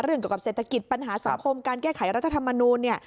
เรื่องเกี่ยวกับเศรษฐกิจปัญหาสังคมการแก้ไขรัฐธรรมนูน